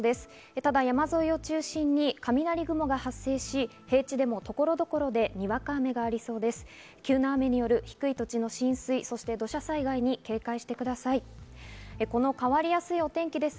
ただ山沿いを中心に雷雲が発生し、平地でも所々でにわか雨がありそうです。